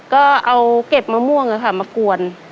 ก็เอาเก็บมะม่วงมากวน